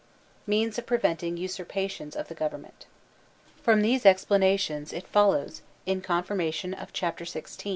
Means of Preventing Usurpations of the Gov ernment. From these explanations it follows, in confirmation of chapter XVI.